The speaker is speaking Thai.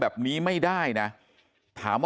มันต้องการมาหาเรื่องมันจะมาแทงนะ